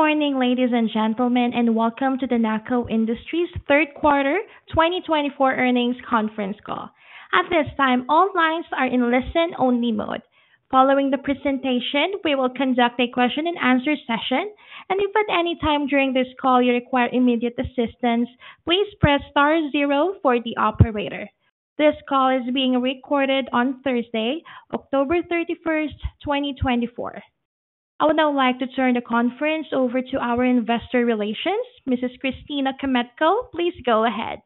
Good morning, ladies and gentlemen, and welcome to the NACCO Industries 3rd Quarter 2024 earnings conference call. At this time, all lines are in listen-only mode. Following the presentation, we will conduct a question-and-answer session, and if at any time during this call you require immediate assistance, please press star zero for the operator. This call is being recorded on Thursday, October 31st, 2024. I would now like to turn the conference over to our Investor Relations, Mrs. Christina Kmetko, please go ahead.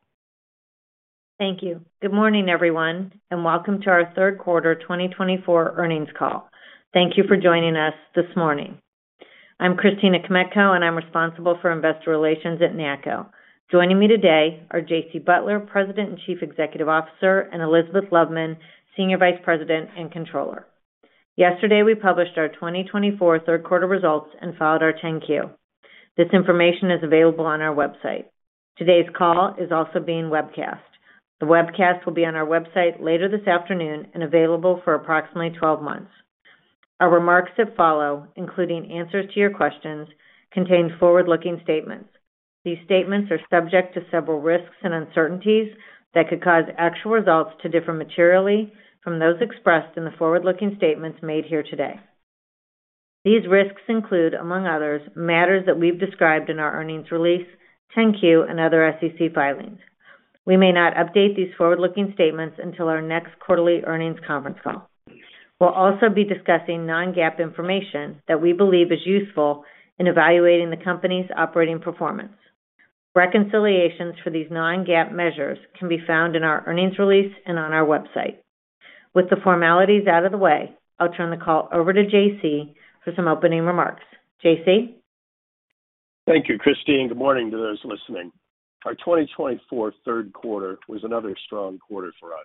Thank you. Good morning, everyone, and welcome to our third quarter 2024 earnings call. Thank you for joining us this morning. I'm Christina Kmetko, and I'm responsible for Investor Relations at NACCO. Joining me today are J.C. Butler, President and Chief Executive Officer, and Elizabeth Loveman, Senior Vice President and Controller. Yesterday, we published our 2024 third quarter results and filed our 10-Q. This information is available on our website. Today's call is also being webcast. The webcast will be on our website later this afternoon and available for approximately 12 months. Our remarks that follow, including answers to your questions, contain forward-looking statements. These statements are subject to several risks and uncertainties that could cause actual results to differ materially from those expressed in the forward-looking statements made here today. These risks include, among others, matters that we've described in our earnings release, 10-Q, and other SEC filings. We may not update these forward-looking statements until our next quarterly earnings conference call. We'll also be discussing non-GAAP information that we believe is useful in evaluating the company's operating performance. Reconciliations for these non-GAAP measures can be found in our earnings release and on our website. With the formalities out of the way, I'll turn the call over to J.C. for some opening remarks. J.C. Thank you, Christina. Good morning to those listening. Our 2024 3rd Quarter was another strong quarter for us.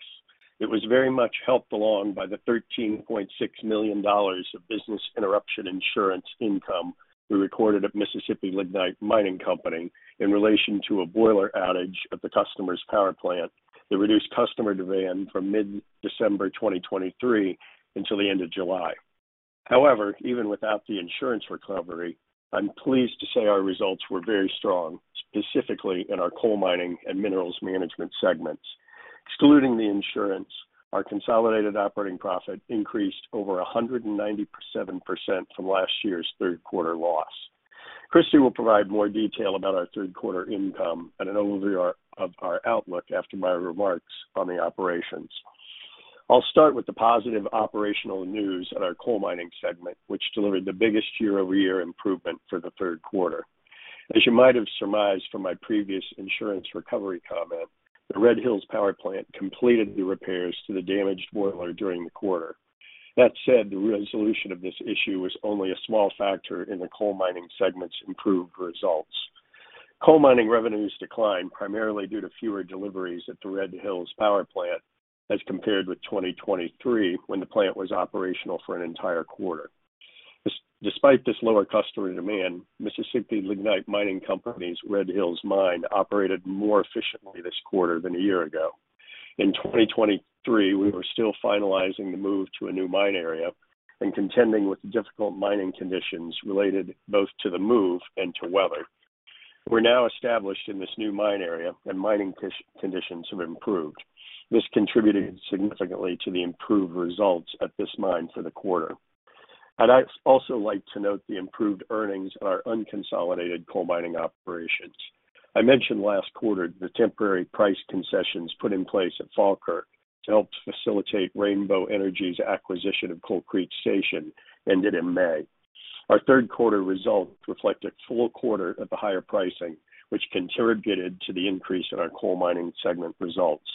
It was very much helped along by the $13.6 million of business interruption insurance income we recorded at Mississippi Lignite Mining Company in relation to a boiler outage at the customer's power plant that reduced customer demand from mid-December 2023 until the end of July. However, even without the insurance recovery, I'm pleased to say our results were very strong, specifically in our coal mining and minerals management segments. Excluding the insurance, our consolidated operating profit increased over 197% from last year's 3rd Quarter loss. Christy will provide more detail about our 3rd Quarter income and an overview of our outlook after my remarks on the operations. I'll start with the positive operational news at our coal mining segment, which delivered the biggest year-over-year improvement for the 3rd Quarter. As you might have surmised from my previous insurance recovery comment, the Red Hills Power Plant completed the repairs to the damaged boiler during the quarter. That said, the resolution of this issue was only a small factor in the coal mining segment's improved results. Coal mining revenues declined primarily due to fewer deliveries at the Red Hills Power Plant as compared with 2023, when the plant was operational for an entire quarter. Despite this lower customer demand, Mississippi Lignite Mining Company's Red Hills Mine operated more efficiently this quarter than a year ago. In 2023, we were still finalizing the move to a new mine area and contending with the difficult mining conditions related both to the move and to weather. We're now established in this new mine area, and mining conditions have improved. This contributed significantly to the improved results at this mine for the quarter. I'd also like to note the improved earnings in our unconsolidated coal mining operations. I mentioned last quarter the temporary price concessions put in place at Falkirk to help facilitate Rainbow Energy's acquisition of Coal Creek Station ended in May. Our third quarter results reflect a full quarter at the higher pricing, which contributed to the increase in our coal mining segment results.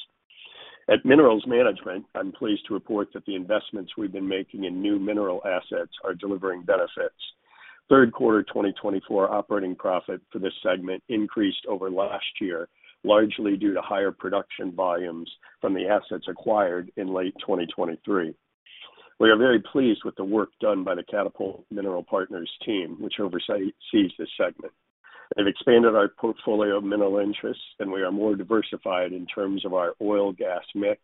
At Minerals Management, I'm pleased to report that the investments we've been making in new mineral assets are delivering benefits. Third quarter 2024 operating profit for this segment increased over last year, largely due to higher production volumes from the assets acquired in late 2023. We are very pleased with the work done by the Catapult Mineral Partners team, which oversees this segment. They've expanded our portfolio of mineral interests, and we are more diversified in terms of our oil-gas mix,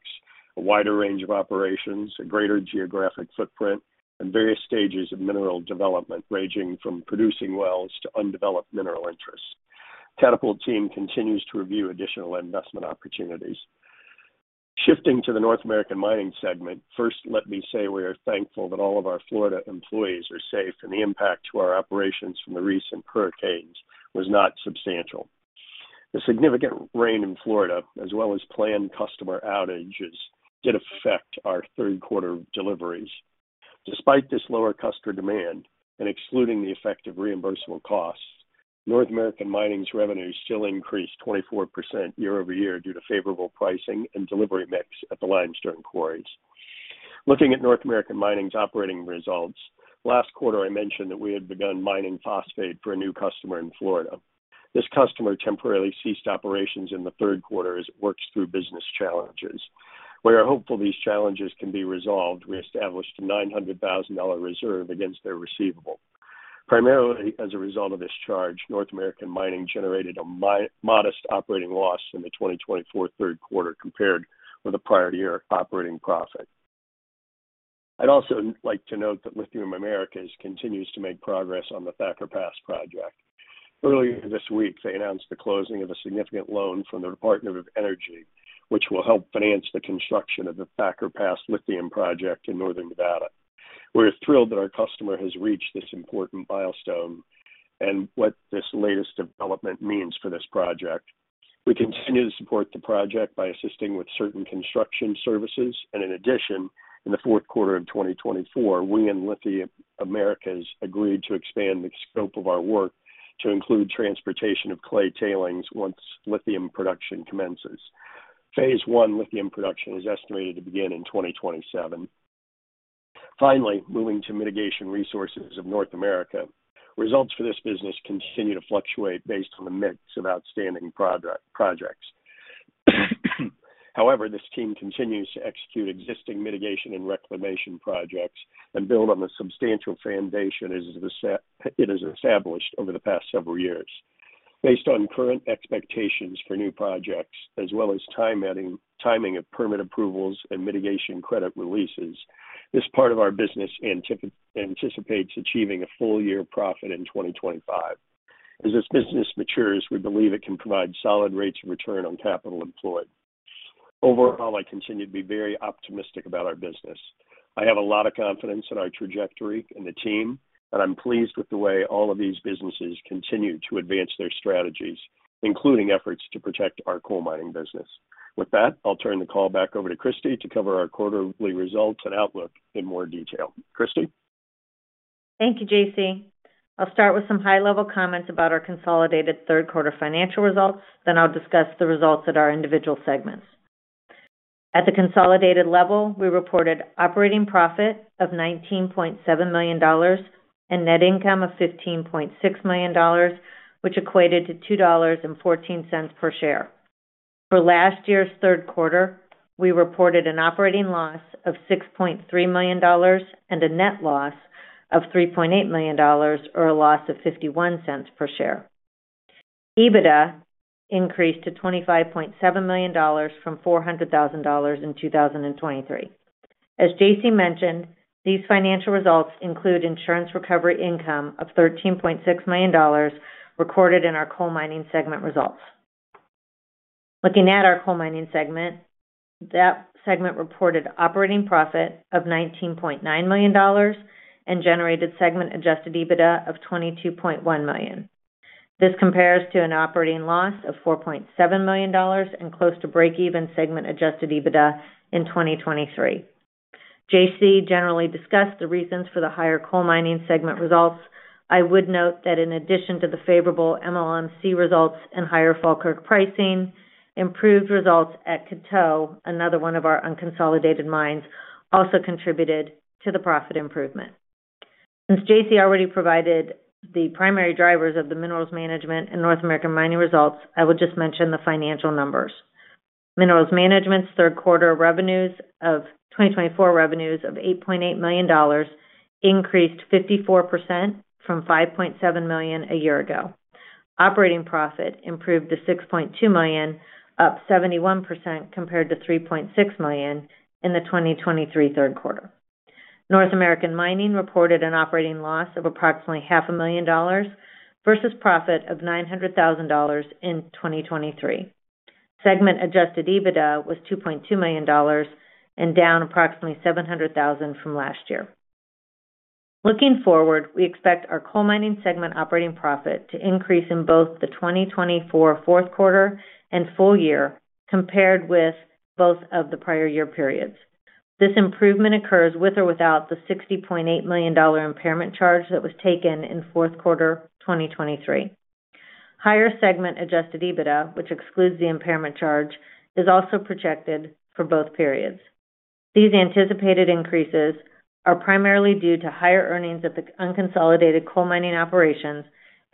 a wider range of operations, a greater geographic footprint, and various stages of mineral development ranging from producing wells to undeveloped mineral interests. Catapult team continues to review additional investment opportunities. Shifting to the North American Mining segment, first, let me say we are thankful that all of our Florida employees are safe and the impact to our operations from the recent hurricanes was not substantial. The significant rain in Florida, as well as planned customer outages, did affect our third quarter deliveries. Despite this lower customer demand and excluding the effect of reimbursable costs, North American Mining's revenues still increased 24% year-over-year due to favorable pricing and delivery mix at the limestone quarries. Looking at North American Mining's operating results, last quarter I mentioned that we had begun mining phosphate for a new customer in Florida. This customer temporarily ceased operations in the 3rd Quarter as it works through business challenges. We are hopeful these challenges can be resolved. We established a $900,000 reserve against their receivable. Primarily as a result of this charge, North American Mining generated a modest operating loss in the 2024 3rd Quarter compared with the prior year operating profit. I'd also like to note that Lithium Americas continues to make progress on the Thacker Pass project. Earlier this week, they announced the closing of a significant loan from the Department of Energy, which will help finance the construction of the Thacker Pass lithium project in northern Nevada. We're thrilled that our customer has reached this important milestone and what this latest development means for this project. We continue to support the project by assisting with certain construction services, and in addition, in the 4th Quarter of 2024, we and Lithium Americas agreed to expand the scope of our work to include transportation of clay tailings once lithium production commences. Phase one lithium production is estimated to begin in 2027. Finally, moving to Mitigation Resources of North America, results for this business continue to fluctuate based on the mix of outstanding projects. However, this team continues to execute existing mitigation and reclamation projects and build on the substantial foundation it has established over the past several years. Based on current expectations for new projects, as well as timing of permit approvals and mitigation credit releases, this part of our business anticipates achieving a full year profit in 2025. As this business matures, we believe it can provide solid rates of return on capital employed. Overall, I continue to be very optimistic about our business. I have a lot of confidence in our trajectory and the team, and I'm pleased with the way all of these businesses continue to advance their strategies, including efforts to protect our coal mining business. With that, I'll turn the call back over to Christy to cover our quarterly results and outlook in more detail. Christy? Thank you, J.C. I'll start with some high-level comments about our consolidated 3rd Quarter financial results, then I'll discuss the results at our individual segments. At the consolidated level, we reported operating profit of $19.7 million and net income of $15.6 million, which equated to $2.14 per share. For last year's 3rd Quarter, we reported an operating loss of $6.3 million and a net loss of $3.8 million, or a loss of $0.51 per share. EBITDA increased to $25.7 million from $400,000 in 2023. As J.C. mentioned, these financial results include insurance recovery income of $13.6 million recorded in our coal mining segment results. Looking at our coal mining segment, that segment reported operating profit of $19.9 million and generated segment-adjusted EBITDA of $22.1 million. This compares to an operating loss of $4.7 million and close to break-even segment-adjusted EBITDA in 2023. J.C. Generally discussed the reasons for the higher coal mining segment results. I would note that in addition to the favorable MLMC results and higher Falkirk pricing, improved results at Coteau, another one of our unconsolidated mines, also contributed to the profit improvement. Since J.C. already provided the primary drivers of the Minerals Management and North American Mining results, I would just mention the financial numbers. Minerals Management's 3rd Quarter 2024 revenues of $8.8 million increased 54% from $5.7 million a year ago. Operating profit improved to $6.2 million, up 71% compared to $3.6 million in the 2023 3rd Quarter. North American Mining reported an operating loss of approximately $500,000 versus profit of $900,000 in 2023. Segment-adjusted EBITDA was $2.2 million and down approximately $700,000 from last year. Looking forward, we expect our coal mining segment operating profit to increase in both the 2024 4th Quarter and full year compared with both of the prior year periods. This improvement occurs with or without the $60.8 million impairment charge that was taken in 4th Quarter 2023. Higher segment-adjusted EBITDA, which excludes the impairment charge, is also projected for both periods. These anticipated increases are primarily due to higher earnings at the unconsolidated coal mining operations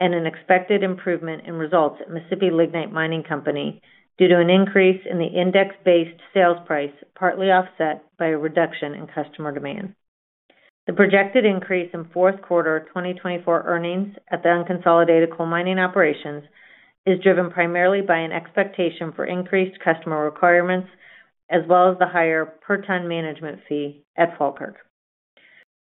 and an expected improvement in results at Mississippi Lignite Mining Company due to an increase in the index-based sales price partly offset by a reduction in customer demand. The projected increase in 4th Quarter 2024 earnings at the unconsolidated coal mining operations is driven primarily by an expectation for increased customer requirements, as well as the higher per ton management fee at Falkirk.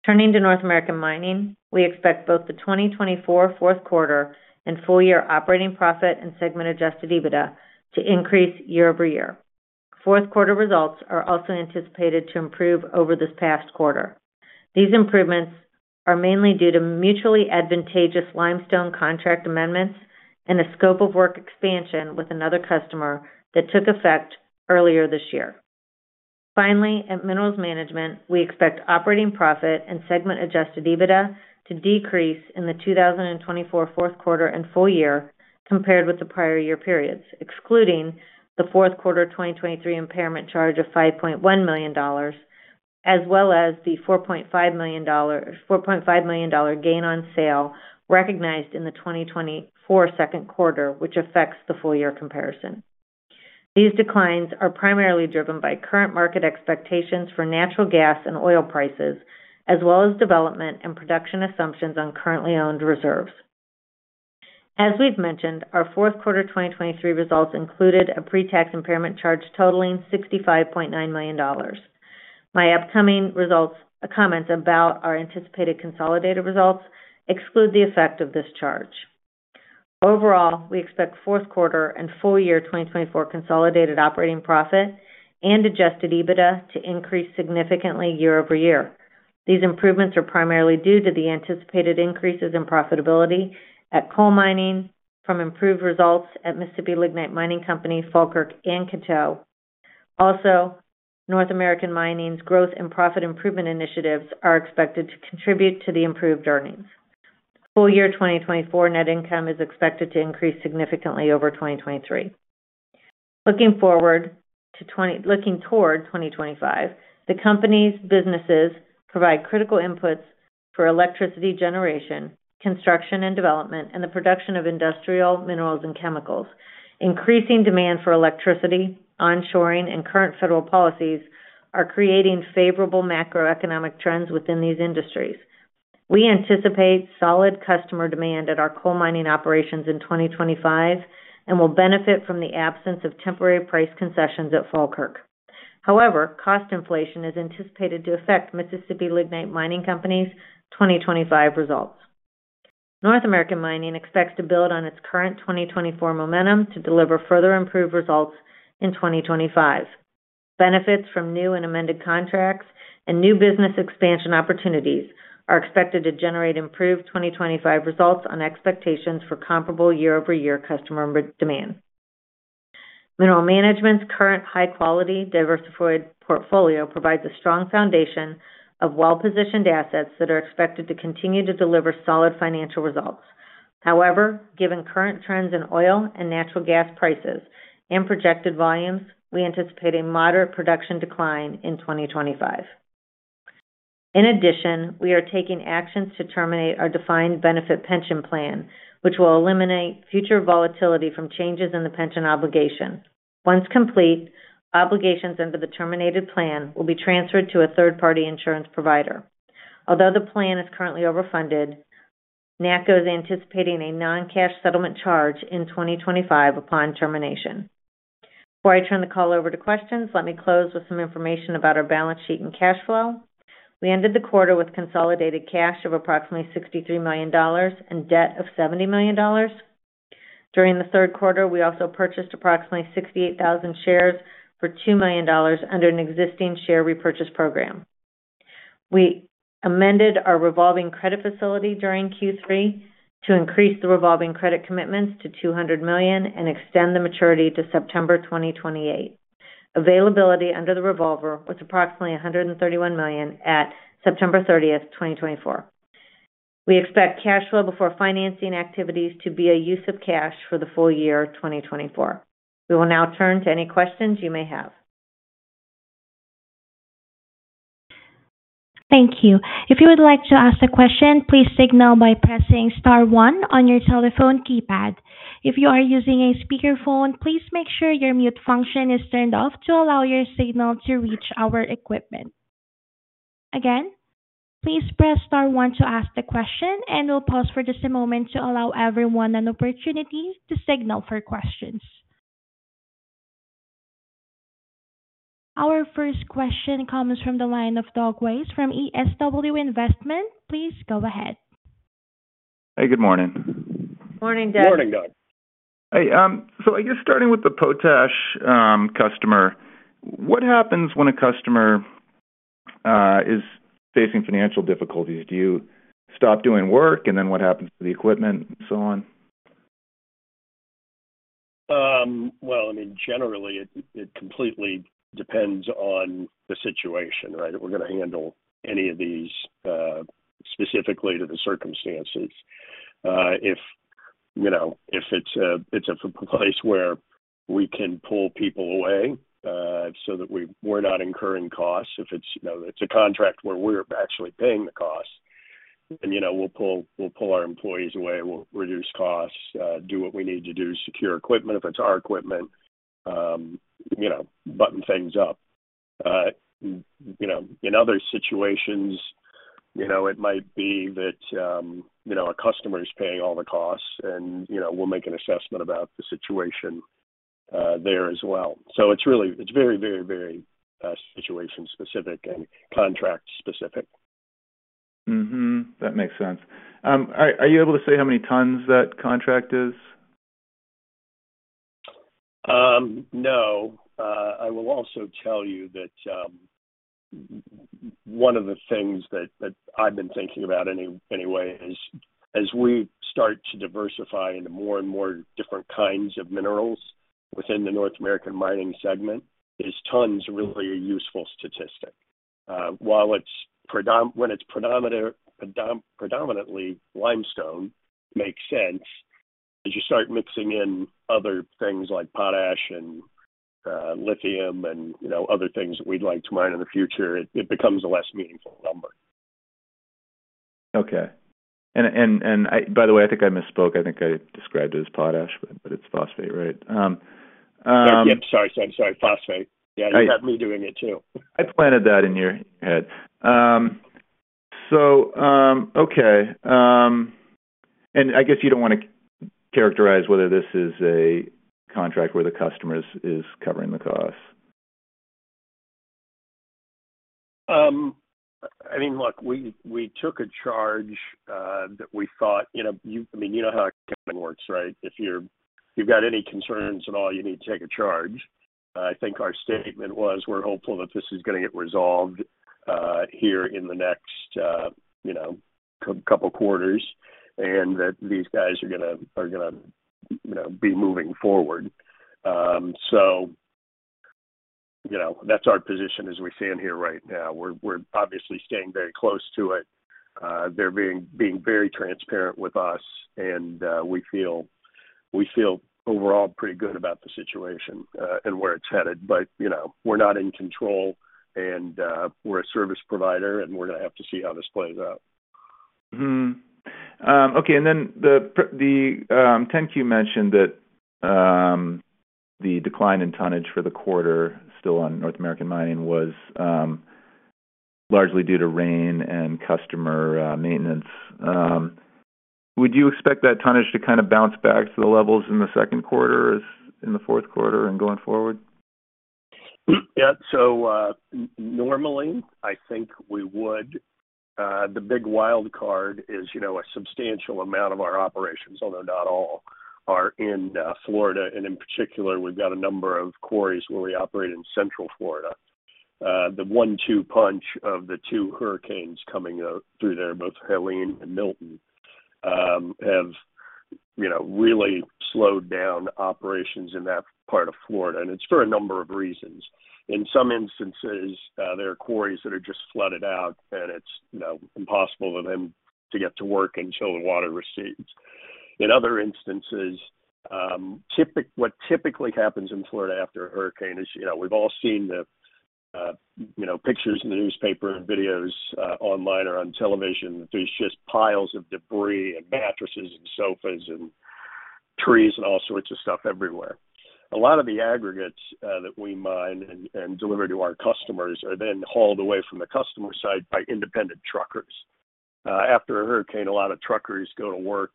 Turning to North American Mining, we expect both the 2024 4th Quarter and full year operating profit and segment-adjusted EBITDA to increase year-over-year. 4th Quarter results are also anticipated to improve over this past quarter. These improvements are mainly due to mutually advantageous limestone contract amendments and a scope of work expansion with another customer that took effect earlier this year. Finally, at Minerals Management, we expect operating profit and segment-adjusted EBITDA to decrease in the 2024 4th Quarter and full year compared with the prior year periods, excluding the 4th Quarter 2023 impairment charge of $5.1 million, as well as the $4.5 million gain on sale recognized in the 2024 2nd Quarter, which affects the full year comparison. These declines are primarily driven by current market expectations for natural gas and oil prices, as well as development and production assumptions on currently owned reserves. As we've mentioned, our 4th Quarter 2023 results included a pre-tax impairment charge totaling $65.9 million. My upcoming comments about our anticipated consolidated results exclude the effect of this charge. Overall, we expect 4th Quarter and full year 2024 consolidated operating profit and adjusted EBITDA to increase significantly year-over-year. These improvements are primarily due to the anticipated increases in profitability at coal mining from improved results at Mississippi Lignite Mining Company, Falkirk, and Coteau. Also, North American Mining's growth and profit improvement initiatives are expected to contribute to the improved earnings. Full year 2024 net income is expected to increase significantly over 2023. Looking toward 2025, the company's businesses provide critical inputs for electricity generation, construction and development, and the production of industrial minerals and chemicals. Increasing demand for electricity, onshoring, and current federal policies are creating favorable macroeconomic trends within these industries. We anticipate solid customer demand at our coal mining operations in 2025 and will benefit from the absence of temporary price concessions at Falkirk. However, cost inflation is anticipated to affect Mississippi Lignite Mining Company's 2025 results. North American Mining expects to build on its current 2024 momentum to deliver further improved results in 2025. Benefits from new and amended contracts and new business expansion opportunities are expected to generate improved 2025 results on expectations for comparable year-over-year customer demand. Minerals Management's current high-quality diversified portfolio provides a strong foundation of well-positioned assets that are expected to continue to deliver solid financial results. However, given current trends in oil and natural gas prices and projected volumes, we anticipate a moderate production decline in 2025. In addition, we are taking actions to terminate our defined benefit pension plan, which will eliminate future volatility from changes in the pension obligation. Once complete, obligations under the terminated plan will be transferred to a third-party insurance provider. Although the plan is currently overfunded, NACCO is anticipating a non-cash settlement charge in 2025 upon termination. Before I turn the call over to questions, let me close with some information about our balance sheet and cash flow. We ended the quarter with consolidated cash of approximately $63 million and debt of $70 million. During the third quarter, we also purchased approximately 68,000 shares for $2 million under an existing share repurchase program. We amended our revolving credit facility during Q3 to increase the revolving credit commitments to $200 million and extend the maturity to September 2028. Availability under the revolver was approximately $131 million at September 30, 2024. We expect cash flow before financing activities to be a use of cash for the full year 2024. We will now turn to any questions you may have. Thank you. If you would like to ask a question, please signal by pressing Star 1 on your telephone keypad. If you are using a speakerphone, please make sure your mute function is turned off to allow your signal to reach our equipment. Again, please press Star 1 to ask the question, and we'll pause for just a moment to allow everyone an opportunity to signal for questions. Our first question comes from the line of Douglas Weiss from DSW Investments. Please go ahead. Hey, good morning. Good morning, Doug. Good morning, Doug. Hey, so I guess starting with the potash customer, what happens when a customer is facing financial difficulties? Do you stop doing work, and then what happens to the equipment and so on? Well, I mean, generally, it completely depends on the situation, right? We're going to handle any of these specifically to the circumstances. If it's a place where we can pull people away so that we're not incurring costs, if it's a contract where we're actually paying the cost, then we'll pull our employees away, we'll reduce costs, do what we need to do, secure equipment if it's our equipment, button things up. In other situations, it might be that a customer is paying all the costs, and we'll make an assessment about the situation there as well. So it's very, very, very situation-specific and contract-specific. That makes sense. Are you able to say how many tons that contract is? No. I will also tell you that one of the things that I've been thinking about anyway is, as we start to diversify into more and more different kinds of minerals within the North American Mining segment, is tons really a useful statistic. When it's predominantly limestone, it makes sense. As you start mixing in other things like potash and lithium and other things that we'd like to mine in the future, it becomes a less meaningful number. Okay, and by the way, I think I misspoke. I think I described it as potash, but it's phosphate, right? Yep, yep. Sorry, I'm sorry. Phosphate. Yeah, you got me doing it too. I planted that in your head. So, okay. And I guess you don't want to characterize whether this is a contract where the customer is covering the cost? I mean, look, we took a charge that we thought, I mean, you know how a company works, right? If you've got any concerns at all, you need to take a charge. I think our statement was, "We're hopeful that this is going to get resolved here in the next couple of quarters and that these guys are going to be moving forward." So that's our position as we stand here right now. We're obviously staying very close to it. They're being very transparent with us, and we feel overall pretty good about the situation and where it's headed. But we're not in control, and we're a service provider, and we're going to have to see how this plays out. Okay. And then the 10-Q mentioned that the decline in tonnage for the quarter still on North American Mining was largely due to rain and customer maintenance. Would you expect that tonnage to kind of bounce back to the levels in the second quarter as in the fourth quarter and going forward? Yeah. So normally, I think we would. The big wild card is a substantial amount of our operations, although not all, are in Florida, and in particular, we've got a number of quarries where we operate in central Florida. The one-two punch of the two hurricanes coming through there, both Helene and Milton, have really slowed down operations in that part of Florida, and it's for a number of reasons. In some instances, there are quarries that are just flooded out, and it's impossible for them to get to work until the water recedes. In other instances, what typically happens in Florida after a hurricane is we've all seen the pictures in the newspaper and videos online or on television. There's just piles of debris and mattresses and sofas and trees and all sorts of stuff everywhere. A lot of the aggregates that we mine and deliver to our customers are then hauled away from the customer site by independent truckers. After a hurricane, a lot of truckers go to work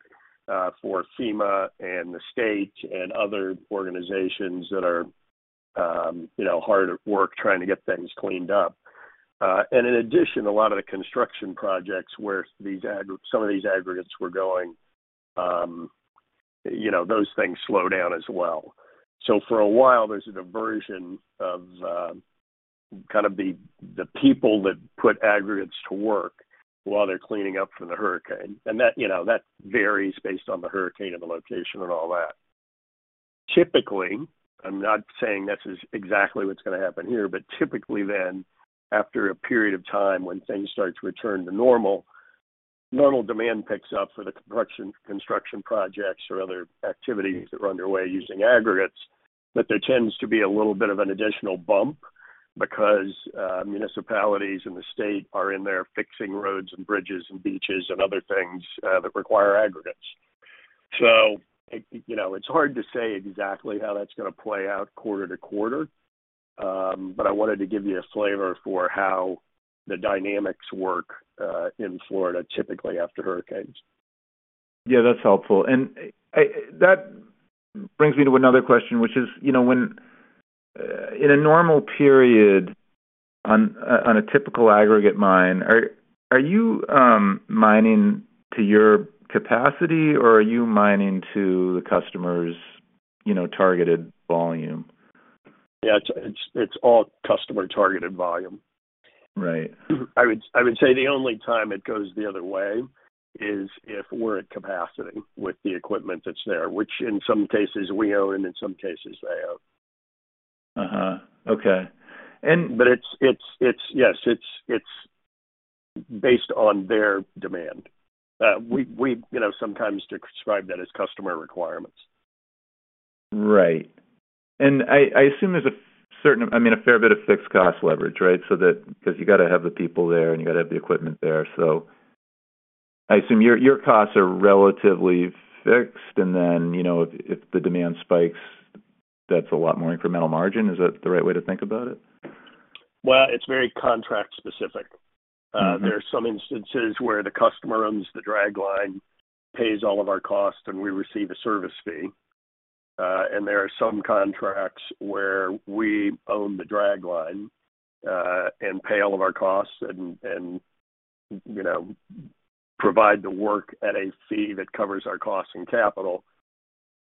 for FEMA and the state and other organizations that are hard at work trying to get things cleaned up. And in addition, a lot of the construction projects where some of these aggregates were going, those things slow down as well. So for a while, there's a diversion of kind of the people that put aggregates to work while they're cleaning up from the hurricane. And that varies based on the hurricane and the location and all that. Typically, I'm not saying this is exactly what's going to happen here, but typically then, after a period of time when things start to return to normal, normal demand picks up for the construction projects or other activities that are underway using aggregates, but there tends to be a little bit of an additional bump because municipalities and the state are in there fixing roads and bridges and beaches and other things that require aggregates. So it's hard to say exactly how that's going to play out quarter to quarter, but I wanted to give you a flavor for how the dynamics work in Florida typically after hurricanes. Yeah, that's helpful. And that brings me to another question, which is, in a normal period on a typical aggregate mine, are you mining to your capacity, or are you mining to the customer's targeted volume? Yeah, it's all customer-targeted volume. Right. I would say the only time it goes the other way is if we're at capacity with the equipment that's there, which in some cases we own and in some cases they own. Okay. And. But yes, it's based on their demand. We sometimes describe that as customer requirements. Right. And I assume there's a certain, I mean, a fair bit of fixed cost leverage, right? Because you got to have the people there and you got to have the equipment there. So I assume your costs are relatively fixed, and then if the demand spikes, that's a lot more incremental margin. Is that the right way to think about it? Well, it's very contract-specific. There are some instances where the customer owns the dragline, pays all of our costs, and we receive a service fee. And there are some contracts where we own the dragline and pay all of our costs and provide the work at a fee that covers our costs and capital.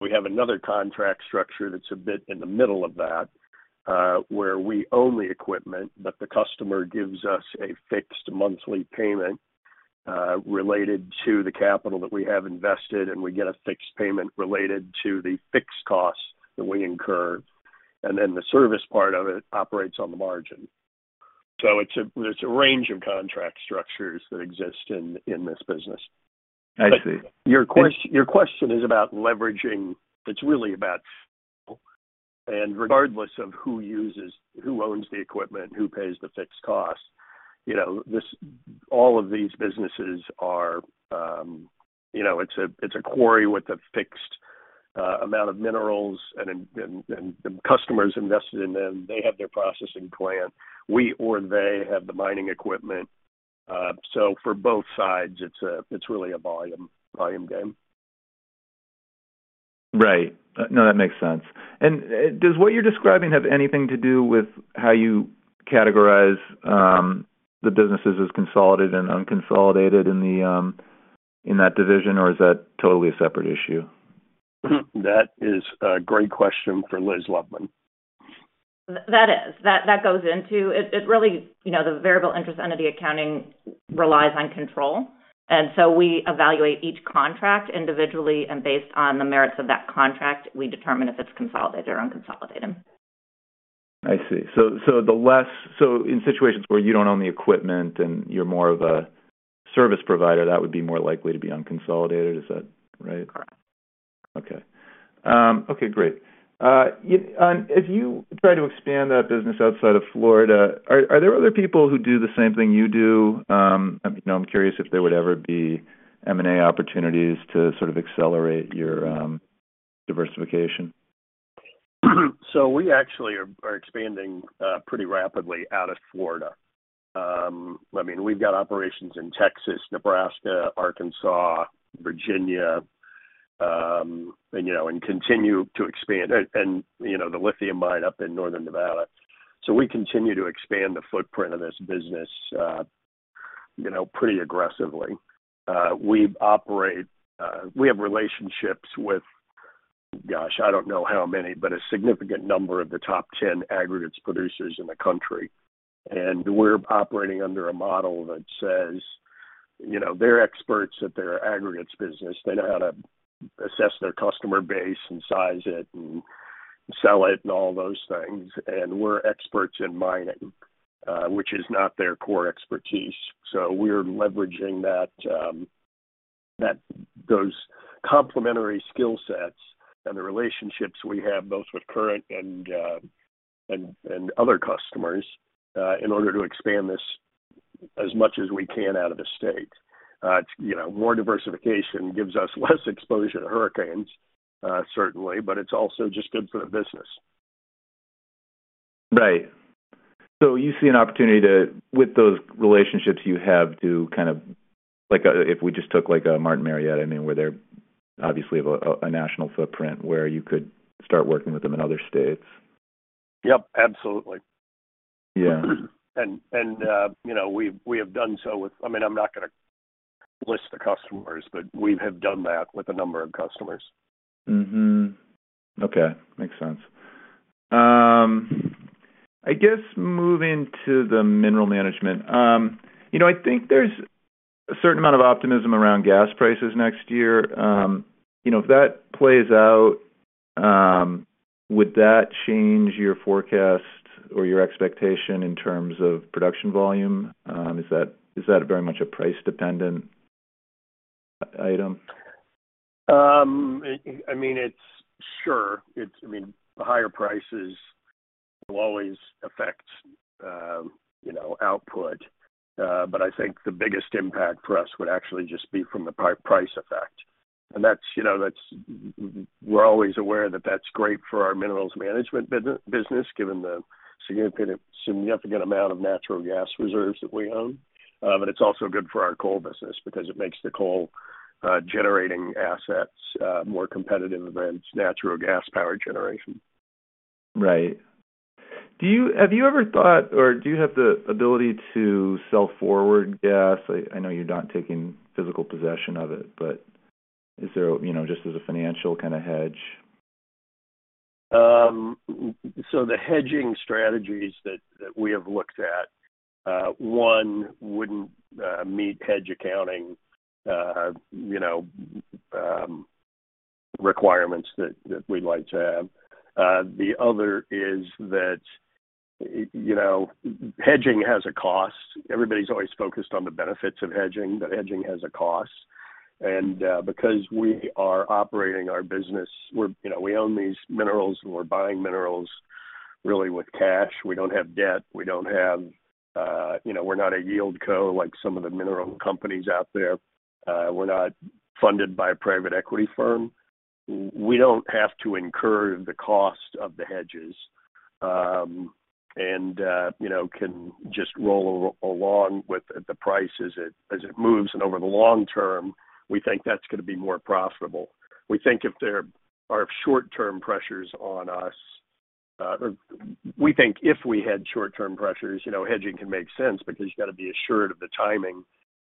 We have another contract structure that's a bit in the middle of that where we own the equipment, but the customer gives us a fixed monthly payment related to the capital that we have invested, and we get a fixed payment related to the fixed costs that we incur. And then the service part of it operates on the margin. So there's a range of contract structures that exist in this business. I see. Your question is about leveraging. It's really about scale, and regardless of who owns the equipment, who pays the fixed cost, all of these businesses are. It's a quarry with a fixed amount of minerals, and the customer has invested in them. They have their processing plant. We or they have the mining equipment. So for both sides, it's really a volume game. Right. No, that makes sense. And does what you're describing have anything to do with how you categorize the businesses as consolidated and unconsolidated in that division, or is that totally a separate issue? That is a great question for Liz Loveman. That is. That goes into it really, the variable interest entity accounting relies on control. And so we evaluate each contract individually, and based on the merits of that contract, we determine if it's consolidated or unconsolidated. I see. So in situations where you don't own the equipment and you're more of a service provider, that would be more likely to be unconsolidated, is that right? Correct. Okay. Okay, great. As you try to expand that business outside of Florida, are there other people who do the same thing you do? I'm curious if there would ever be M&A opportunities to sort of accelerate your diversification. So we actually are expanding pretty rapidly out of Florida. I mean, we've got operations in Texas, Nebraska, Arkansas, Virginia, and continue to expand. And the lithium mine up in northern Nevada. So we continue to expand the footprint of this business pretty aggressively. We have relationships with, gosh, I don't know how many, but a significant number of the top 10 aggregates producers in the country. And we're operating under a model that says they're experts at their aggregates business. They know how to assess their customer base and size it and sell it and all those things. And we're experts in mining, which is not their core expertise. So we're leveraging those complementary skill sets and the relationships we have both with current and other customers in order to expand this as much as we can out of the state. More diversification gives us less exposure to hurricanes, certainly, but it's also just good for the business. Right. So you see an opportunity with those relationships you have to kind of, if we just took a Martin Marietta, I mean, where they're obviously have a national footprint where you could start working with them in other states? Yep, absolutely. Yeah. We have done so with, I mean, I'm not going to list the customers, but we have done that with a number of customers. Okay. Makes sense. I guess moving to the Minerals Management, I think there's a certain amount of optimism around gas prices next year. If that plays out, would that change your forecast or your expectation in terms of production volume? Is that very much a price-dependent item? I mean, sure. I mean, the higher prices will always affect output, but I think the biggest impact for us would actually just be from the price effect. And we're always aware that that's great for our minerals management business, given the significant amount of natural gas reserves that we own. But it's also good for our coal business because it makes the coal-generating assets more competitive against natural gas power generation. Right. Have you ever thought, or do you have the ability to sell forward gas? I know you're not taking physical possession of it, but is there just as a financial kind of hedge? So the hedging strategies that we have looked at, one wouldn't meet hedge accounting requirements that we'd like to have. The other is that hedging has a cost. Everybody's always focused on the benefits of hedging, but hedging has a cost. And because we are operating our business, we own these minerals, and we're buying minerals really with cash. We don't have debt. We don't have, we're not a yieldco like some of the mineral companies out there. We're not funded by a private equity firm. We don't have to incur the cost of the hedges and can just roll along with the price as it moves. And over the long term, we think that's going to be more profitable. We think if there are short-term pressures on us, we think if we had short-term pressures, hedging can make sense because you got to be assured of the timing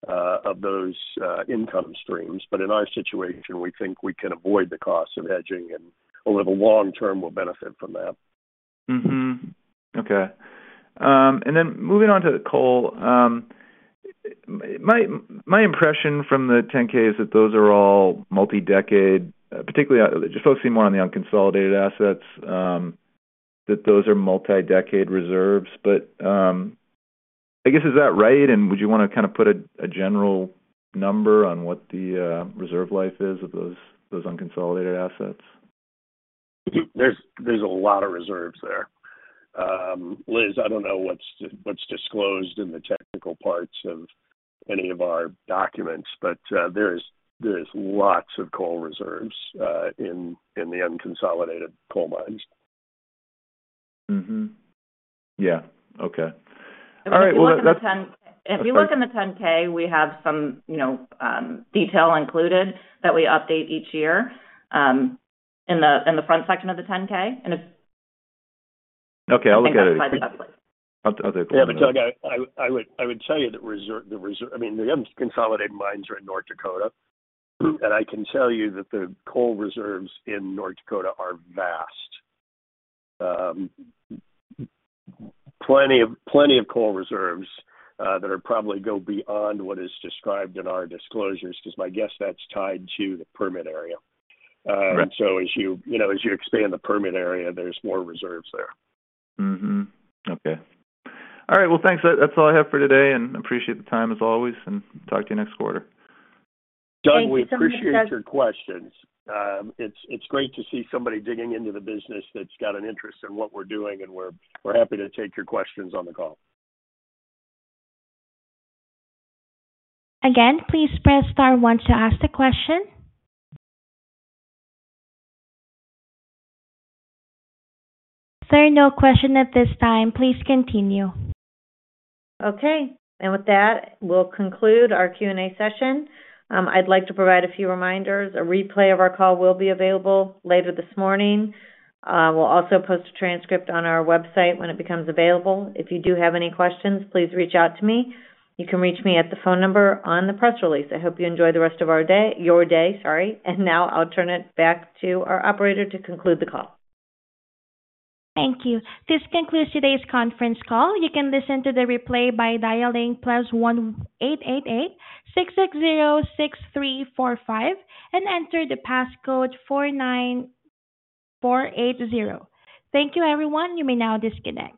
of those income streams. But in our situation, we think we can avoid the cost of hedging, and over the long term, we'll benefit from that. Okay, and then moving on to the coal, my impression from the 10-K is that those are all multi-decade, particularly just focusing more on the unconsolidated assets, that those are multi-decade reserves, but I guess, is that right, and would you want to kind of put a general number on what the reserve life is of those unconsolidated assets? There's a lot of reserves there. Liz, I don't know what's disclosed in the technical parts of any of our documents, but there are lots of coal reserves in the unconsolidated coal mines. Yeah. Okay. All right. Well, that's. If you look in the 10-K, we have some detail included that we update each year in the front section of the 10-K. Okay. I'll look at it. I think that's probably the best place. Okay. Cool. Yeah. I would tell you that the reserve, I mean, the unconsolidated mines are in North Dakota. And I can tell you that the coal reserves in North Dakota are vast. Plenty of coal reserves that probably go beyond what is described in our disclosures, because my guess that's tied to the permit area. And so as you expand the permit area, there's more reserves there. Okay. All right. Well, thanks. That's all I have for today, and I appreciate the time as always. And talk to you next quarter. Doug, we appreciate your questions. It's great to see somebody digging into the business that's got an interest in what we're doing, and we're happy to take your questions on the call. Again, please press star once to ask the question. There are no questions at this time. Please continue. Okay. And with that, we'll conclude our Q&A session. I'd like to provide a few reminders. A replay of our call will be available later this morning. We'll also post a transcript on our website when it becomes available. If you do have any questions, please reach out to me. You can reach me at the phone number on the press release. I hope you enjoy the rest of your day. Sorry. And now I'll turn it back to our operator to conclude the call. Thank you. This concludes today's conference call. You can listen to the replay by dialing plus 1-888-660-6345 and enter the passcode 49480. Thank you, everyone. You may now disconnect.